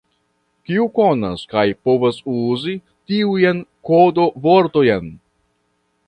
Kiu konas kaj povas uzi tiujn kodo-vortojn?